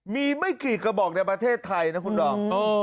มีไม่กี่กระบอกในประเทศไทยนะคุณดอม